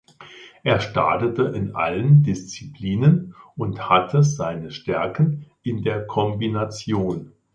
Er startete in allen Disziplinen und hatte seine Stärken in der Kombination.